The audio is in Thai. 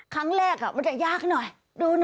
ครั้งแรกมันจะยากหน่อยดูหน่อย